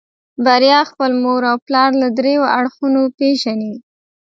بريا خپل پلار او مور له دريو اړخونو پېژني.